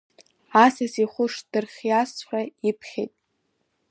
Асас ихәы шдырхиазҵәҟьа, иԥхьеит.